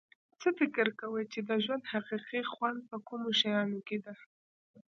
څه فکر کوی چې د ژوند حقیقي خوند په کومو شیانو کې ده